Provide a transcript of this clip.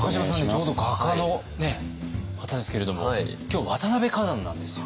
ちょうど画家の方ですけれども今日渡辺崋山なんですよ。